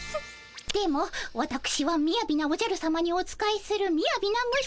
でもわたくしはみやびなおじゃるさまにお仕えするみやびな虫。